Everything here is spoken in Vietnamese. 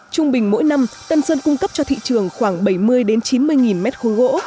trung bình mỗi năm tân sơn cung cấp cho thị trường khoảng bảy mươi chín mươi nghìn mét khối gỗ